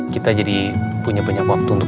kita jadi punya banyak waktu untuk